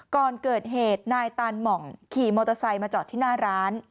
ก่อนเกิดเหตุนายตานหม่องขี่มอเตอร์ไซค์มาจอดที่หน้าร้าน